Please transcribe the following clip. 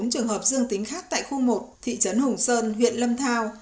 bốn trường hợp dương tính khác tại khu một thị trấn hùng sơn huyện lâm thao